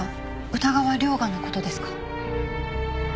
歌川涼牙の事ですか？